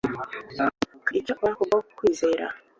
akagira icyo akora kubwo kwizera.